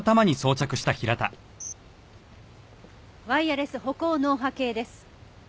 ワイヤレス歩行脳波計です。